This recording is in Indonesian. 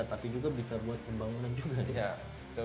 tapi juga bisa buat pembangunan juga ya